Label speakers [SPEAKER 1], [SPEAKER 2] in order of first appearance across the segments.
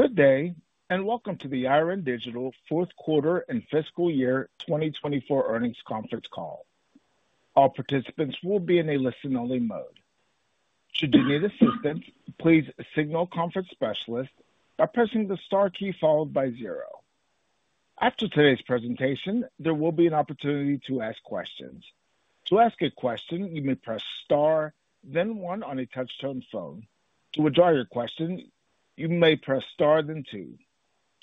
[SPEAKER 1] Good day, and welcome to the Yiren Digital Fourth Quarter and Fiscal Year 2024 Earnings Conference Call. All participants will be in a listen-only mode. Should you need assistance, please signal Conference Specialist by pressing the star key followed by zero. After today's presentation, there will be an opportunity to ask questions. To ask a question, you may press star, then one on a touch-tone phone. To withdraw your question, you may press star, then two.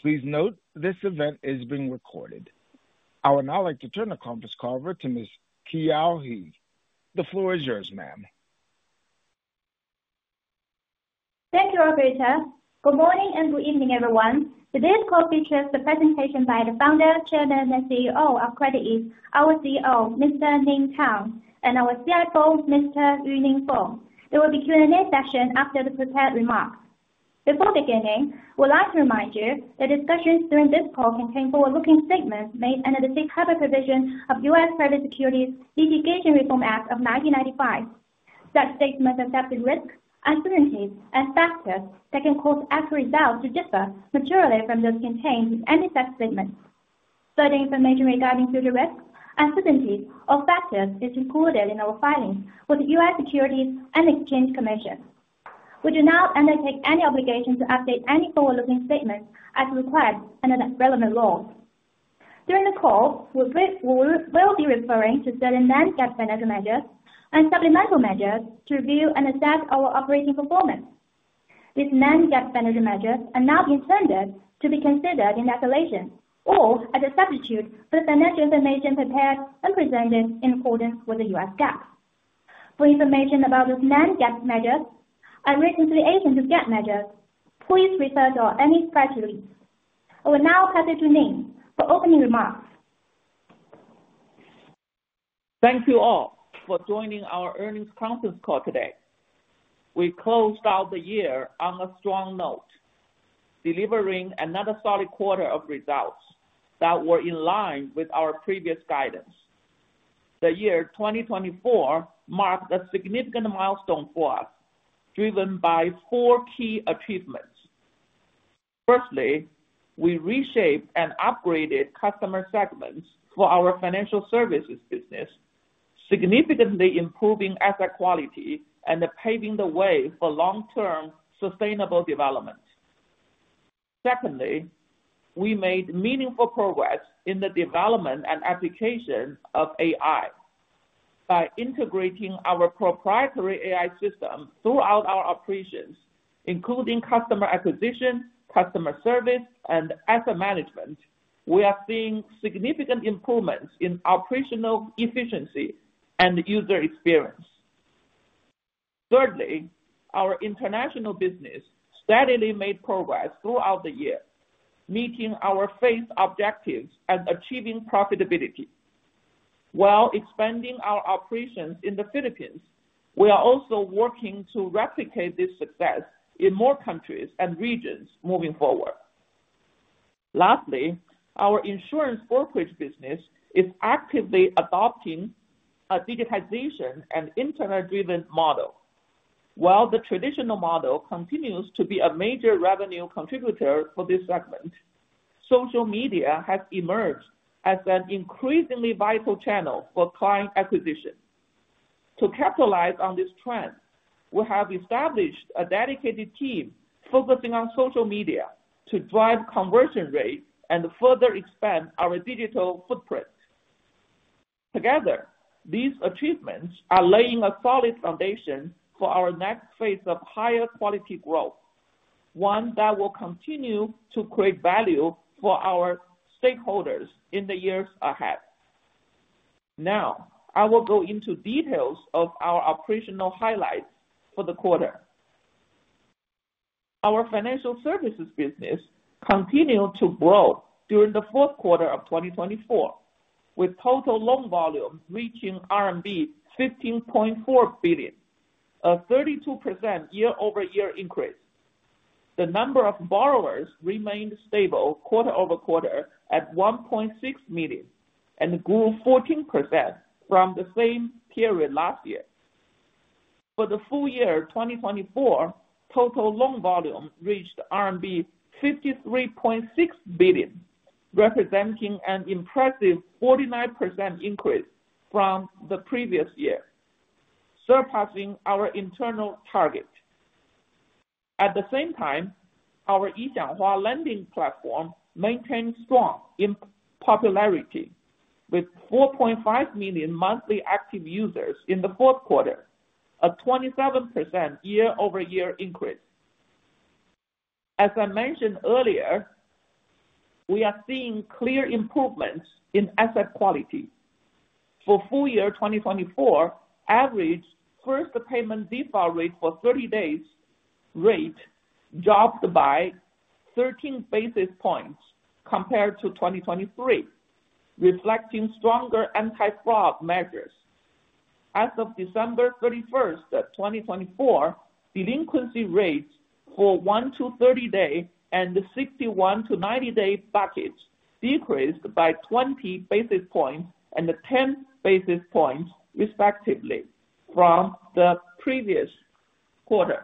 [SPEAKER 1] Please note this event is being recorded. I would now like to turn the conference call over to Ms. Keyao He. The floor is yours, ma'am.
[SPEAKER 2] Thank you, Operator. Good morning and good evening, everyone. Today's call features the presentation by the Founder, Chairman, and CEO of CreditEase, our CEO, Mr. Ning Tang, and our CFO, Mr. Yuning Feng. There will be a Q&A session after the prepared remarks. Before beginning, we'd like to remind you that discussions during this call contain forward-looking statements made under the Safe Harbor Provision of U.S. Private Securities Litigation Reform Act of 1995. Such statements accept the risks, uncertainties, and factors that can cause actual results to differ materially from those contained in any such statement. Further information regarding future risks, uncertainties, or factors is included in our filings with the U.S. Securities and Exchange Commission. We do not undertake any obligation to update any forward-looking statements as required under relevant laws. During the call, we will be referring to certain non-GAAP financial measures and supplemental measures to review and assess our operating performance. These non-GAAP financial measures are not intended to be considered in isolation or as a substitute for the financial information prepared and presented in accordance with the U.S. GAAP. For information about those non-GAAP measures and reconciliation to GAAP measures, please refer to our earnings strategy. I will now pass it to Ning for opening remarks.
[SPEAKER 3] Thank you all for joining our earnings conference call today. We closed out the year on a strong note, delivering another solid quarter of results that were in line with our previous guidance. The year 2024 marked a significant milestone for us, driven by four key achievements. Firstly, we reshaped and upgraded customer segments for our financial services business, significantly improving asset quality and paving the way for long-term sustainable development. Secondly, we made meaningful progress in the development and application of AI. By integrating our proprietary AI system throughout our operations, including customer acquisition, customer service, and asset management, we are seeing significant improvements in operational efficiency and user experience. Thirdly, our international business steadily made progress throughout the year, meeting our phased objectives and achieving profitability. While expanding our operations in the Philippines, we are also working to replicate this success in more countries and regions moving forward. Lastly, our insurance brokerage business is actively adopting a digitization and internet-driven model. While the traditional model continues to be a major revenue contributor for this segment, social media has emerged as an increasingly vital channel for client acquisition. To capitalize on this trend, we have established a dedicated team focusing on social media to drive conversion rates and further expand our digital footprint. Together, these achievements are laying a solid foundation for our next phase of higher quality growth, one that will continue to create value for our stakeholders in the years ahead. Now, I will go into details of our operational highlights for the quarter. Our financial services business continued to grow during the fourth quarter of 2024, with total loan volume reaching RMB 15.4 billion, a 32% year-over-year increase. The number of borrowers remained stable quarter over quarter at 1.6 million and grew 14% from the same period last year. For the full year 2024, total loan volume reached RMB 53.6 billion, representing an impressive 49% increase from the previous year, surpassing our internal target. At the same time, our Yi Xiang Hua lending platform maintained strong popularity, with 4.5 million monthly active users in the fourth quarter, a 27% year-over-year increase. As I mentioned earlier, we are seeing clear improvements in asset quality. For full year 2024, average first payment default rate for 30 days rate dropped by 13 basis points compared to 2023, reflecting stronger anti-fraud measures. As of December 31st, 2024, delinquency rates for 1-30 day and 61-90 day buckets decreased by 20 basis points and 10 basis points, respectively, from the previous quarter.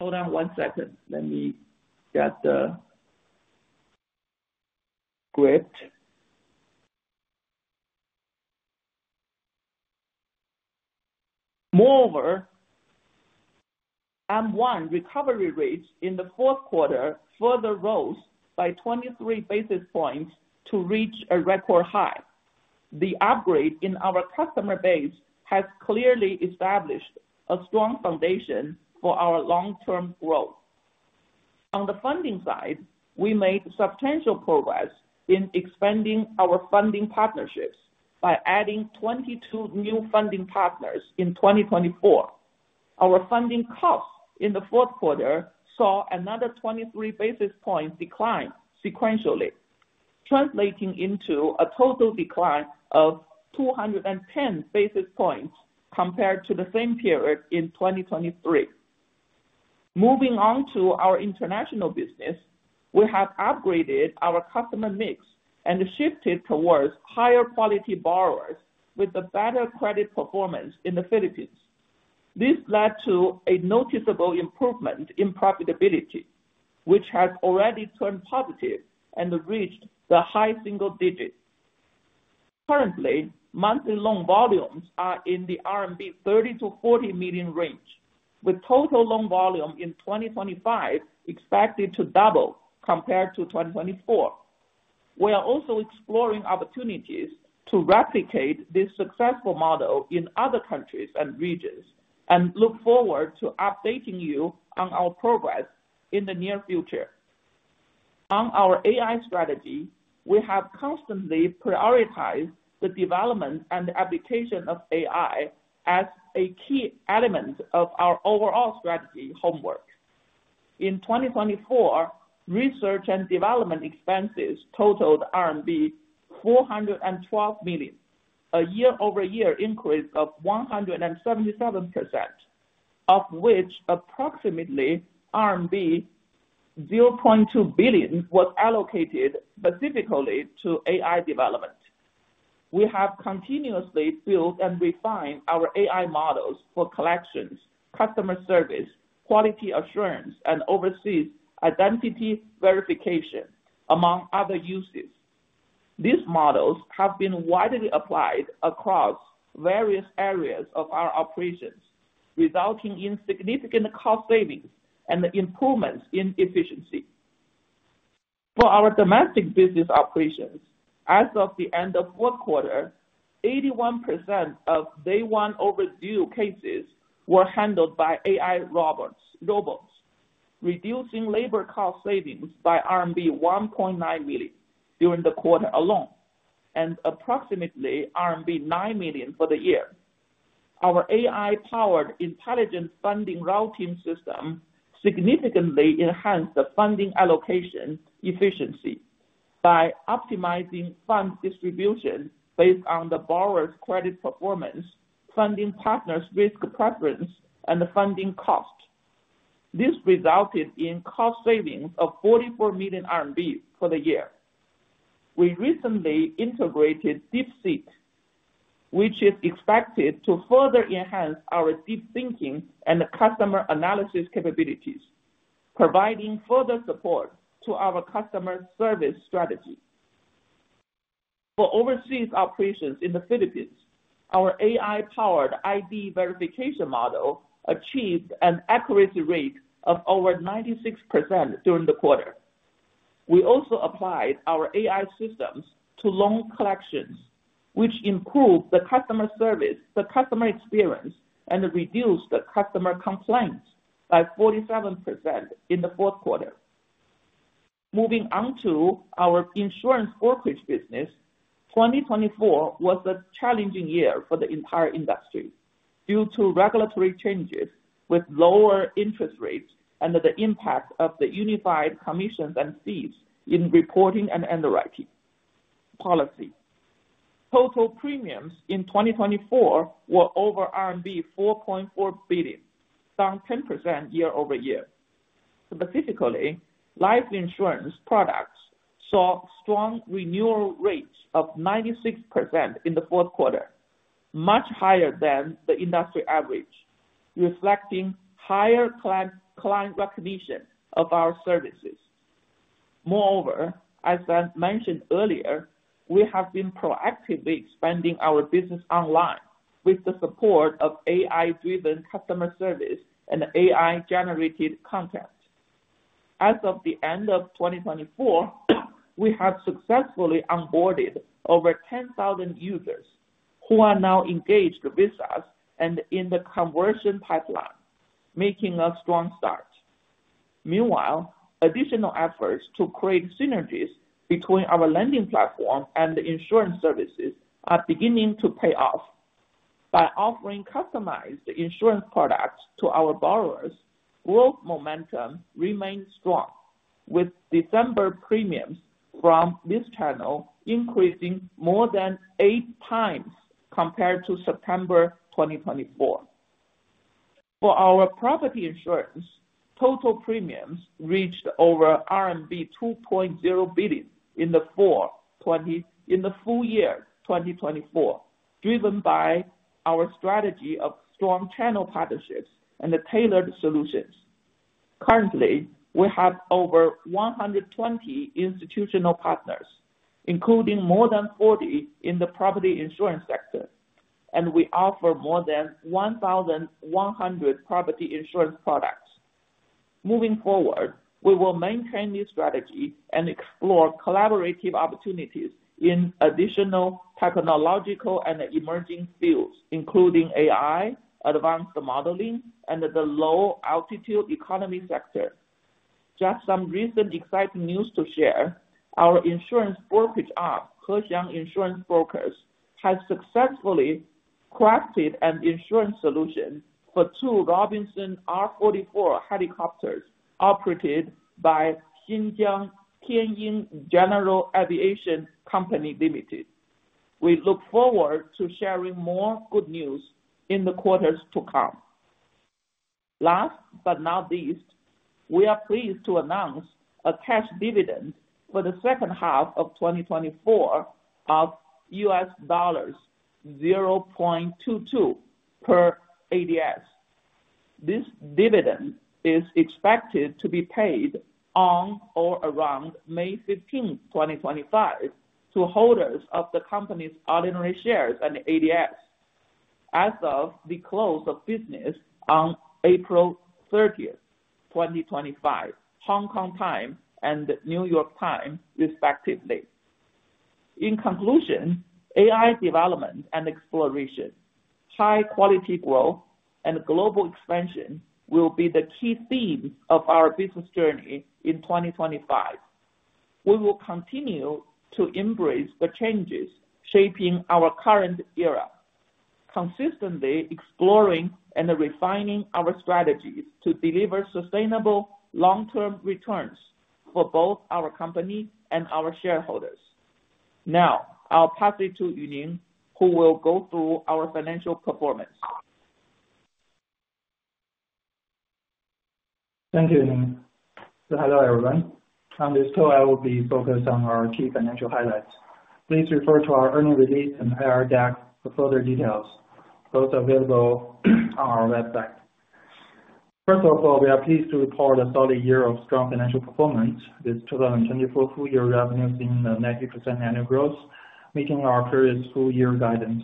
[SPEAKER 3] Hold on one second. Let me get the grid. Moreover, M1 recovery rates in the fourth quarter further rose by 23 basis points to reach a record high. The upgrade in our customer base has clearly established a strong foundation for our long-term growth. On the funding side, we made substantial progress in expanding our funding partnerships by adding 22 new funding partners in 2024. Our funding costs in the fourth quarter saw another 23 basis points decline sequentially, translating into a total decline of 210 basis points compared to the same period in 2023. Moving on to our international business, we have upgraded our customer mix and shifted towards higher quality borrowers with a better credit performance in the Philippines. This led to a noticeable improvement in profitability, which has already turned positive and reached the high single digit. Currently, monthly loan volumes are in the 30 million-40 million RMB range, with total loan volume in 2025 expected to double compared to 2024. We are also exploring opportunities to replicate this successful model in other countries and regions and look forward to updating you on our progress in the near future. On our AI strategy, we have constantly prioritized the development and application of AI as a key element of our overall strategy homework. In 2024, research and development expenses totaled RMB 412 million, a year-over-year increase of 177%, of which approximately RMB 200 million was allocated specifically to AI development. We have continuously built and refined our AI models for collections, customer service, quality assurance, and overseas identity verification, among other uses. These models have been widely applied across various areas of our operations, resulting in significant cost savings and improvements in efficiency. For our domestic business operations, as of the end of the fourth quarter, 81% of day-one overdue cases were handled by AI robots, reducing labor cost savings by RMB 1.9 million during the quarter alone and approximately RMB 9 million for the year. Our AI-powered intelligent funding routing system significantly enhanced the funding allocation efficiency by optimizing fund distribution based on the borrower's credit performance, funding partners' risk preference, and funding cost. This resulted in cost savings of 44 million RMB for the year. We recently integrated DeepSeek, which is expected to further enhance our deep thinking and customer analysis capabilities, providing further support to our customer service strategy. For overseas operations in the Philippines, our AI-powered ID verification model achieved an accuracy rate of over 96% during the quarter. We also applied our AI systems to loan collections, which improved the customer service, the customer experience, and reduced the customer complaints by 47% in the fourth quarter. Moving on to our insurance brokerage business, 2024 was a challenging year for the entire industry due to regulatory changes with lower interest rates and the impact of the unified commissions and fees in reporting and underwriting policy. Total premiums in 2024 were over RMB 4.4 billion, down 10% year-over-year. Specifically, life insurance products saw strong renewal rates of 96% in the fourth quarter, much higher than the industry average, reflecting higher client recognition of our services. Moreover, as I mentioned earlier, we have been proactively expanding our business online with the support of AI-driven customer service and AI-generated content. As of the end of 2024, we have successfully onboarded over 10,000 users who are now engaged with us and in the conversion pipeline, making a strong start. Meanwhile, additional efforts to create synergies between our lending platform and the insurance services are beginning to pay off. By offering customized insurance products to our borrowers, growth momentum remains strong, with December premiums from this channel increasing more than eight times compared to September 2024. For our property insurance, total premiums reached over RMB 2.0 billion in the full year 2024, driven by our strategy of strong channel partnerships and tailored solutions. Currently, we have over 120 institutional partners, including more than 40 in the property insurance sector, and we offer more than 1,100 property insurance products. Moving forward, we will maintain this strategy and explore collaborative opportunities in additional technological and emerging fields, including AI, advanced modeling, and the low-altitude economy sector. Just some recent exciting news to share. Our insurance brokerage arm has successfully crafted an insurance solution for two Robinson R-44 helicopters operated by Xinjiang Tianying General Aviation Company Limited. We look forward to sharing more good news in the quarters to come. Last but not least, we are pleased to announce a cash dividend for the second half of 2024 of $0.22 per ADS. This dividend is expected to be paid on or around May 15, 2025, to holders of the company's ordinary shares and ADS as of the close of business on April 30, 2025, Hong Kong time and New York time, respectively. In conclusion, AI development and exploration, high-quality growth, and global expansion will be the key themes of our business journey in 2025. We will continue to embrace the changes shaping our current era, consistently exploring and refining our strategies to deliver sustainable long-term returns for both our company and our shareholders. Now, I'll pass it to Yuning, who will go through our financial performance. Thank you, Ning. Hello, everyone. On this call, I will be focused on our key financial highlights. Please refer to our earnings release and IR deck for further details. Those are available on our website. First of all, we are pleased to report a solid year of strong financial performance. This 2024 full-year revenue is in the 90% annual growth, meeting our previous full-year guidance.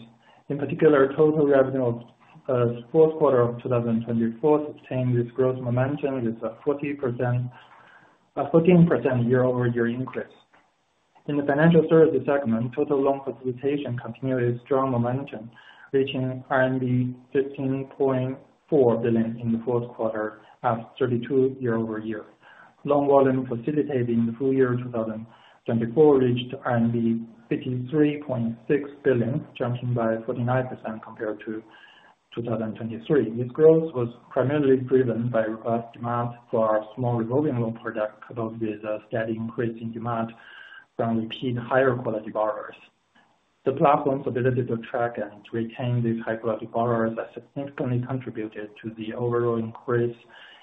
[SPEAKER 3] In particular, total revenue of the fourth quarter of 2024 sustained this growth momentum with a 14% year-over-year increase. In the financial services segment, total loan facilitation continued its strong momentum, reaching RMB 15.4 billion in the fourth quarter at 32% year-over-year. Loan volume facilitated in the full year 2024 reached RMB 53.6 billion, jumping by 49% compared to 2023. This growth was primarily driven by robust demand for our small revolving loan product, coupled with a steady increase in demand from repeat higher-quality borrowers. The platform's ability to track and retain these high-quality borrowers has significantly contributed to the overall increase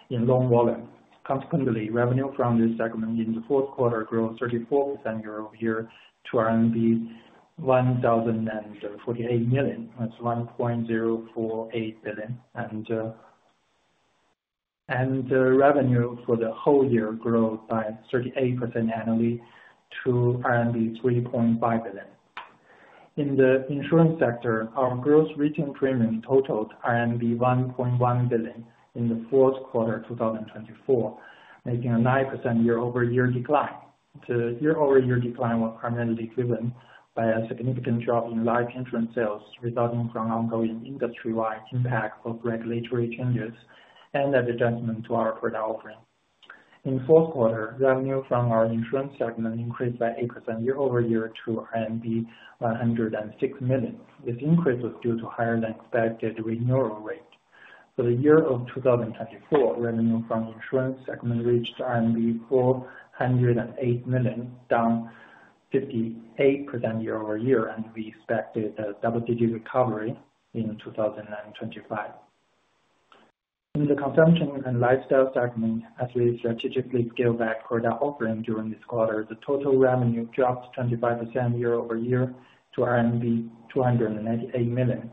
[SPEAKER 3] in loan volume. Consequently, revenue from this segment in the fourth quarter grew 34% year-over-year to RMB 1,048 million, that's 1.048 billion, and revenue for the whole year grew by 38% annually to RMB 3.5 billion. In the insurance sector, our gross retained premium totaled RMB 1.1 billion in the fourth quarter 2024, making a 9% year-over-year decline. The year-over-year decline was primarily driven by a significant drop in life insurance sales, resulting from ongoing industry-wide impact of regulatory changes and adjustment to our product offering. In the fourth quarter, revenue from our insurance segment increased by 8% year-over-year to RMB 106 million. This increase was due to higher-than-expected renewal rate. For the year of 2024, revenue from the insurance segment reached RMB 408 million, down 58% year-over-year, and we expected a double-digit recovery in 2025. In the consumption and lifestyle segment, as we strategically scaled back product offering during this quarter, the total revenue dropped 25% year-over-year to RMB 298 million.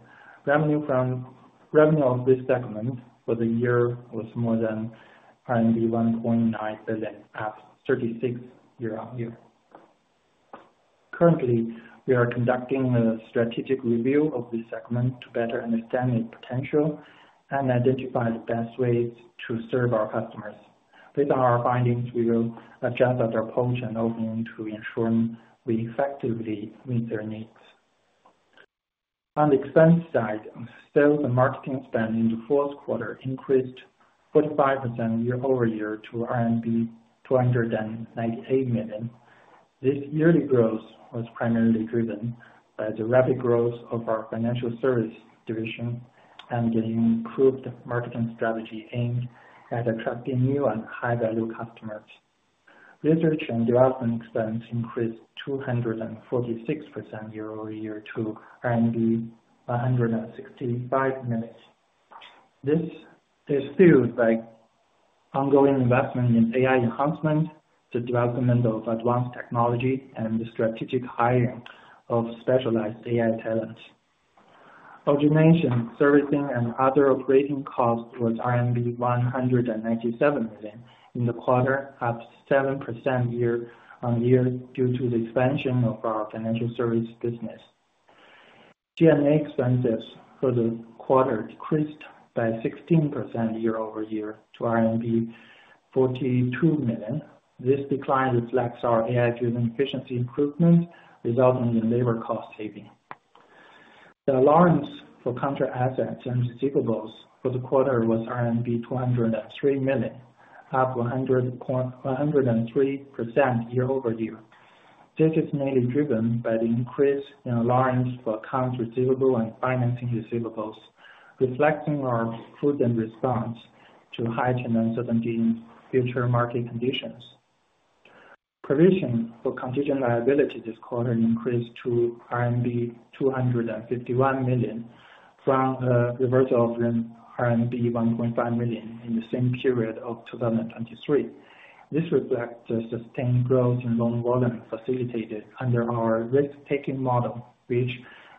[SPEAKER 3] Revenue from revenue of this segment for the year was more than RMB 1.9 billion at 36% year-on-year. Currently, we are conducting a strategic review of this segment to better understand its potential and identify the best ways to serve our customers. Based on our findings, we will adjust our approach and opening to ensure we effectively meet their needs. On the expense side, sales and marketing spend in the fourth quarter increased 45% year-over-year to RMB 298 million. This yearly growth was primarily driven by the rapid growth of our financial services division and the improved marketing strategy aimed at attracting new and high-value customers. Research and development expense increased 246% year-over-year to RMB 165 million. This is fueled by ongoing investment in AI enhancement, the development of advanced technology, and the strategic hiring of specialized AI talent. Origination, servicing, and other operating costs were RMB 197 million in the quarter, up 7% year-on-year due to the expansion of our financial services business. G&A expenses for the quarter decreased by 16% year-over-year to RMB 42 million. This decline reflects our AI-driven efficiency improvements, resulting in labor cost savings. The allowance for contract assets and receivables for the quarter was RMB 203 million, up 103% year-over-year. This is mainly driven by the increase in allowance for accounts receivable and financing receivables, reflecting our prudent response to heightened uncertainty in future market conditions. Provision for contingent liability this quarter increased to RMB 251 million from a reversal of RMB 1.5 million in the same period of 2023. This reflects the sustained growth in loan volume facilitated under our risk-taking model, which,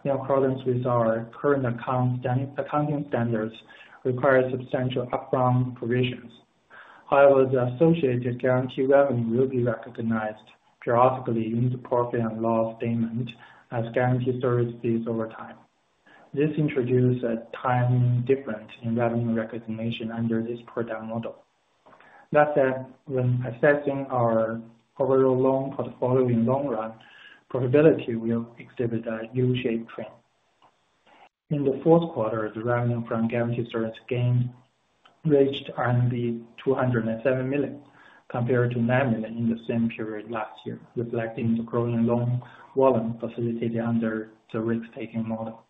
[SPEAKER 3] in accordance with our current accounting standards, requires substantial upfront provisions. However, the associated guarantee revenue will be recognized periodically in the profit and loss statement as guarantee services over time. This introduces a timing difference in revenue recognition under this product model. That said, when assessing our overall loan portfolio in the long run, profitability will exhibit a U-shaped trend. In the fourth quarter, the revenue from guarantee services gain reached RMB 207 million compared to 9 million in the same period last year, reflecting the growing loan volume facilitated under the risk-taking model.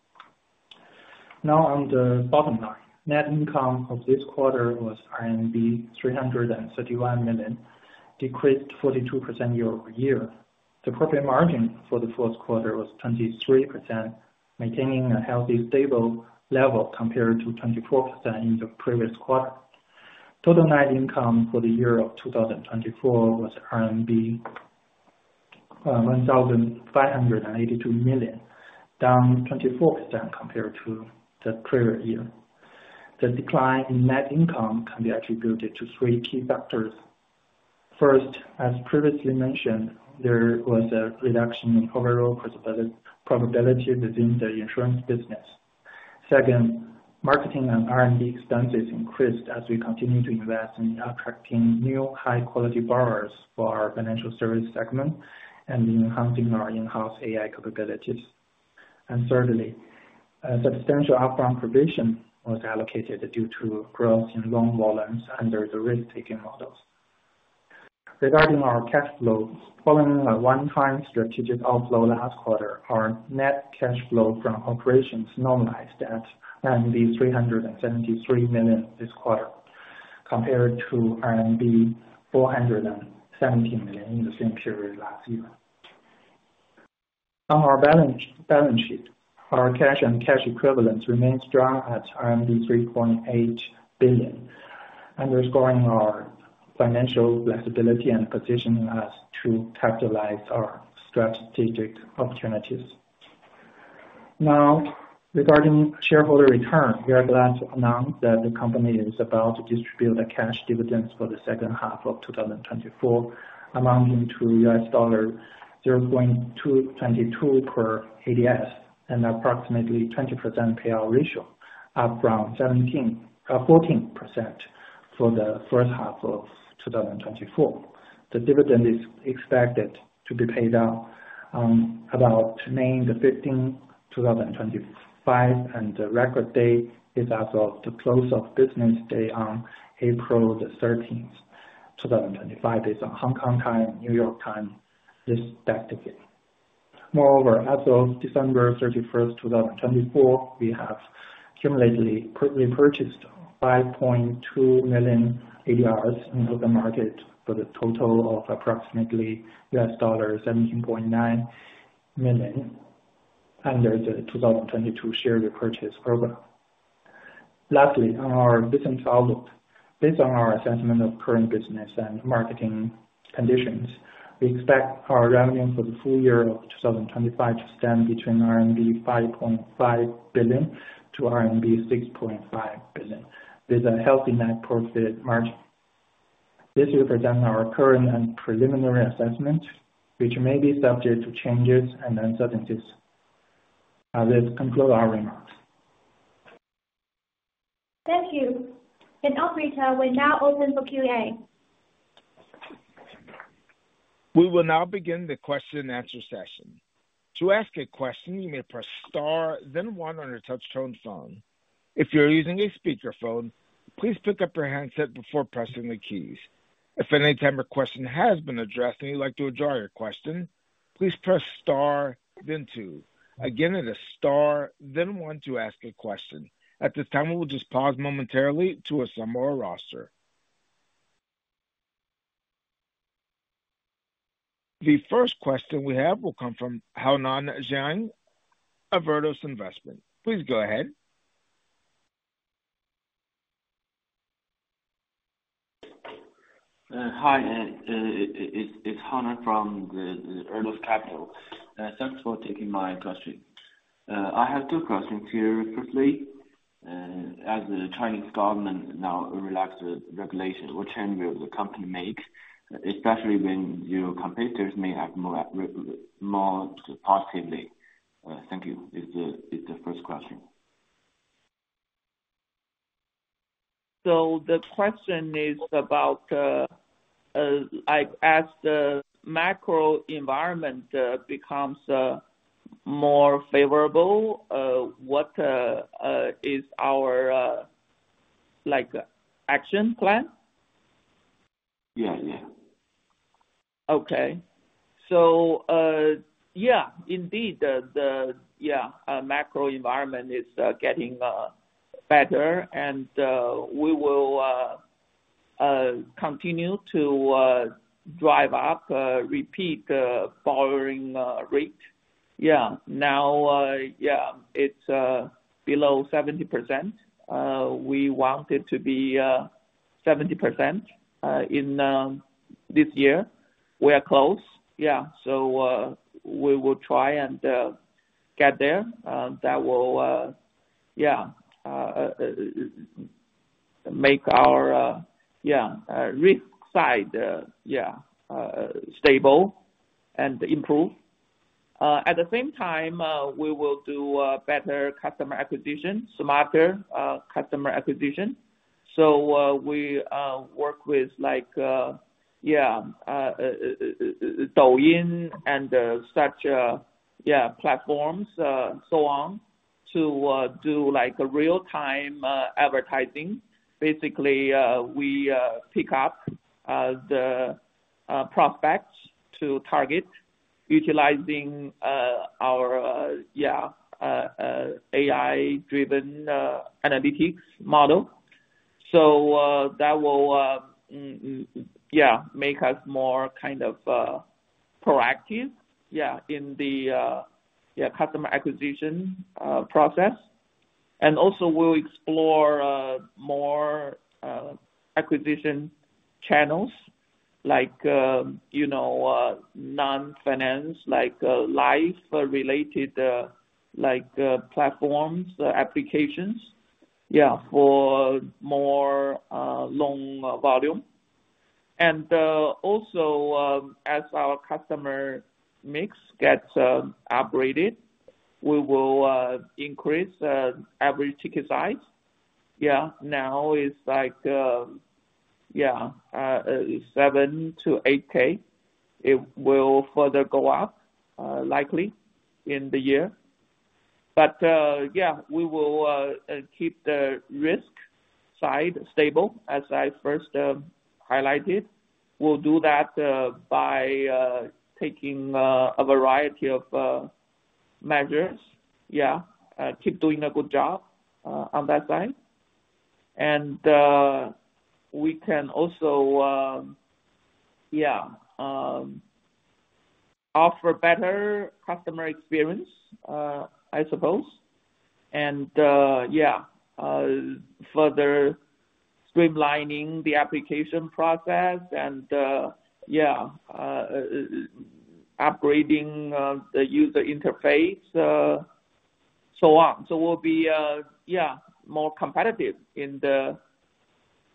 [SPEAKER 3] Now, on the bottom line, net income of this quarter was RMB 331 million, decreased 42% year-over-year. The profit margin for the fourth quarter was 23%, maintaining a healthy stable level compared to 24% in the previous quarter. Total net income for the year of 2024 was RMB 1,582 million, down 24% compared to the previous year. The decline in net income can be attributed to three key factors. First, as previously mentioned, there was a reduction in overall probability within the insurance business. Second, marketing and R&D expenses increased as we continue to invest in attracting new high-quality borrowers for our financial services segment and enhancing our in-house AI capabilities. Thirdly, a substantial upfront provision was allocated due to growth in loan volumes under the risk-taking model. Regarding our cash flow, following a one-time strategic outflow last quarter, our net cash flow from operations normalized at RMB 373 million this quarter, compared to RMB 470 million in the same period last year. On our balance sheet, our cash and cash equivalents remain strong at RMB 3.8 billion, underscoring our financial flexibility and position to capitalize on our strategic opportunities. Now, regarding shareholder return, we are glad to announce that the company is about to distribute cash dividends for the second half of 2024, amounting to $0.22 per ADS and approximately 20% payout ratio, up from 14% for the first half of 2024. The dividend is expected to be paid out on about May 15, 2025, and the record date is as of the close of business day on April 30, 2025, based on Hong Kong time and New York time respectively. Moreover, as of December 31st, 2024, we have cumulatively repurchased 5.2 million ADS into the market for the total of approximately $17.9 million under the 2022 share repurchase program. Lastly, on our business outlook, based on our assessment of current business and marketing conditions, we expect our revenue for the full year of 2025 to stand between 5.5 billion-6.5 billion RMB, with a healthy net profit margin. This represents our current and preliminary assessment, which may be subject to changes and uncertainties. This concludes our remarks.
[SPEAKER 2] Thank you. Operator, we're now open for Q&A.
[SPEAKER 1] We will now begin the question-and-answer session. To ask a question, you may press Star, then 1 on your touch-tone phone. If you're using a speakerphone, please pick up your handset before pressing the keys. If at any time your question has been addressed and you'd like to withdraw your question, please press Star, then 2. Again, it is Star, then 1 to ask a question. At this time, we will just pause momentarily to assemble a roster. The first question we have will come from Haonan Zheng of Erdos Capital. Please go ahead.
[SPEAKER 4] Hi, it's Haonan from Erdos Capital. Thanks for taking my question. I have two questions here briefly. As the Chinese government now relaxes regulation, what change will the company make, especially when your competitors may act more positively? Thank you. It's the first question.
[SPEAKER 3] The question is about, as the macro environment becomes more favorable, what is our action plan?
[SPEAKER 4] Yeah, yeah.
[SPEAKER 3] Okay. Yeah, indeed, the macro environment is getting better, and we will continue to drive up repeat borrowing rate. Yeah, now it's below 70%. We want it to be 70% in this year. We are close. Yeah, so we will try and get there. That will, yeah, make our, yeah, risk side, yeah, stable and improve. At the same time, we will do better customer acquisition, smarter customer acquisition. We work with, yeah, Douyin and such, yeah, platforms, so on, to do real-time advertising. Basically, we pick up the prospects to target, utilizing our, yeah, AI-driven analytics model. That will, yeah, make us more kind of proactive, yeah, in the customer acquisition process. Also, we'll explore more acquisition channels, like non-finance, like life-related platforms, applications, yeah, for more loan volume. Also, as our customer mix gets upgraded, we will increase average ticket size. Yeah. Now it's like, yeah, 7-8K. It will further go up likely in the year. Yeah, we will keep the risk side stable, as I first highlighted. We'll do that by taking a variety of measures, yeah, keep doing a good job on that side. We can also, yeah, offer better customer experience, I suppose. Yeah, further streamlining the application process and, yeah, upgrading the user interface, so on. We will be, yeah, more competitive in the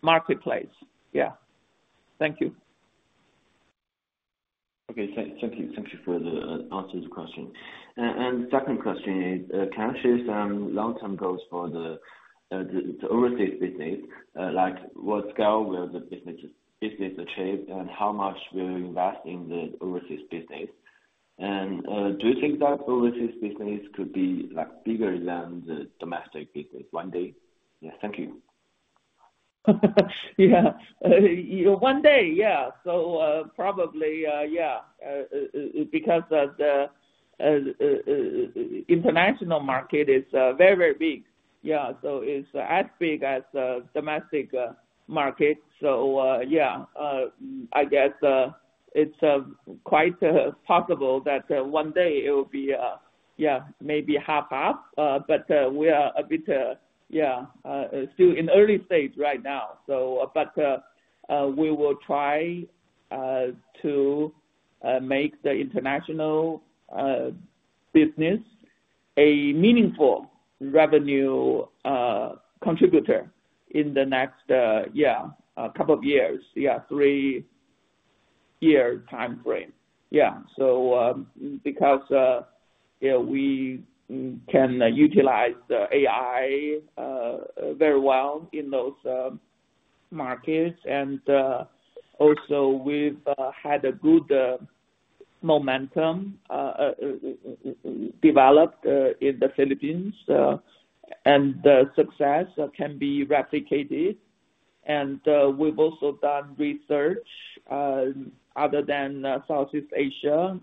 [SPEAKER 3] marketplace. Yeah. Thank you.
[SPEAKER 4] Okay. Thank you. Thank you for the answer to the question. Second question is, can I share some long-term goals for the overseas business? What scale will the business achieve, and how much will we invest in the overseas business? Do you think that overseas business could be bigger than the domestic business one day? Yes. Thank you.
[SPEAKER 3] Yeah. One day, yeah. Probably, yeah, because the international market is very, very big. Yeah. It is as big as the domestic market. Yeah, I guess it is quite possible that one day it will be, yeah, maybe half-half, but we are a bit, yeah, still in early stage right now. We will try to make the international business a meaningful revenue contributor in the next, yeah, couple of years, yeah, three-year timeframe. Yeah, because we can utilize AI very well in those markets. Also, we've had a good momentum developed in the Philippines, and the success can be replicated. We've also done research. Other than Southeast Asia,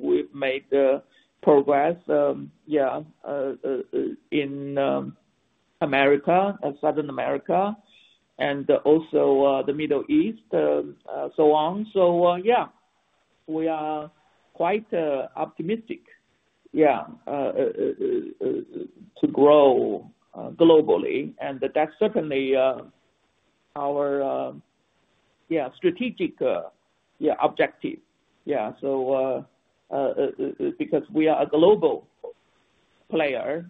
[SPEAKER 3] we've made progress, yeah, in America, Southern America, and also the Middle East, so on. Yeah, we are quite optimistic, yeah, to grow globally. That is certainly our, yeah, strategic objective, yeah, because we are a global player.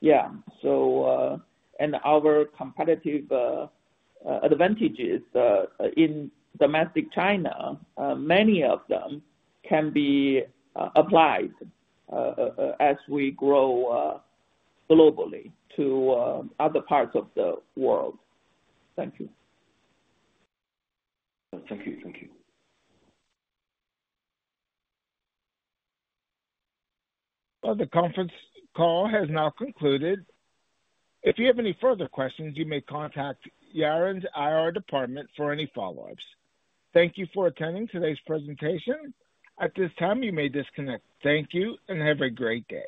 [SPEAKER 3] Yeah, our competitive advantages in domestic China, many of them can be applied as we grow globally to other parts of the world. Thank you.
[SPEAKER 4] Thank you. Thank you.
[SPEAKER 1] The conference call has now concluded. If you have any further questions, you may contact Yiren's IR department for any follow-ups. Thank you for attending today's presentation. At this time, you may disconnect. Thank you, and have a great day.